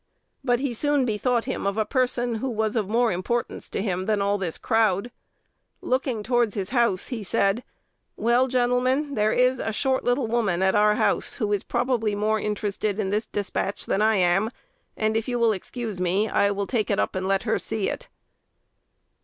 But he soon bethought him of a person who was of more importance to him than all this crowd. Looking toward his house, he said, "Well, gentlemen, there is a little short woman at our house who is probably more interested in this despatch than I am; and, if you will excuse me, I will take it up and let her see it."